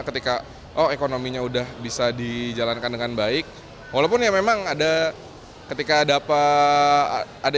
ketika oh ekonominya udah bisa dijalankan dengan baik walaupun ya memang ada ketika dapat ada